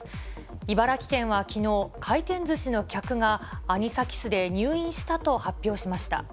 茨城県はきのう、回転ずしの客が、アニサキスで入院したと発表しました。